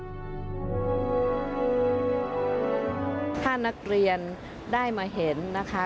ถ้านักเรียนได้มาเห็นนะคะ